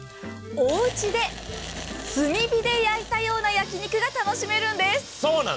おうちで、炭火で焼いたような焼き肉が楽しめるんです。